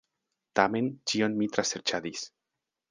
Tamen ĉion mi traserĉadis.